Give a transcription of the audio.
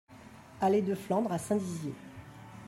Allée de Flandre à Saint-Dizier